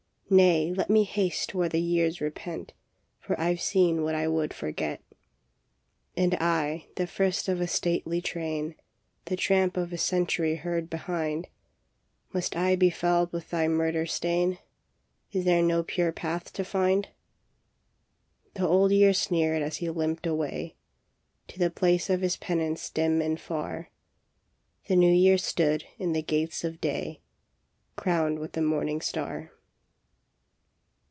" Nay, let me haste where the years repent, For I ve seen what I would forget." " And I, the first of a stately train, The tramp of a century heard behind, Must I be fouled with thy murder stain? Is there no pure path to find? " The Old Year sneered as he limped away To the place of his penance dim and far. The New Year stood in the gates of day, Crowned with the morning star.